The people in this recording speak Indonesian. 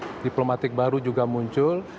dan krisis diplomatik baru juga muncul